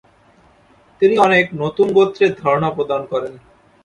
তিনি অনেক নতুন গোত্রের ধারণা প্রদান করেন।